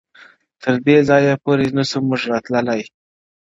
تر دې ځایه پوري نه سو موږ راتللای -